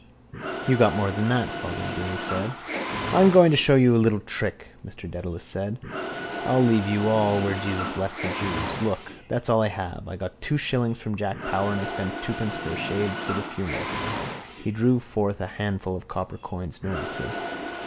—You got more than that, father, Dilly said. —I'm going to show you a little trick, Mr Dedalus said. I'll leave you all where Jesus left the jews. Look, there's all I have. I got two shillings from Jack Power and I spent twopence for a shave for the funeral. He drew forth a handful of copper coins, nervously.